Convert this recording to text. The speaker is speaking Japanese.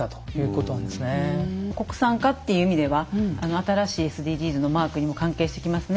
国産化っていう意味では新しいＳＤＧｓのマークにも関係してきますね。